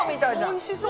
おいしそう。